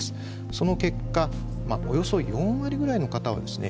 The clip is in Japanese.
その結果およそ４割ぐらいの方はですね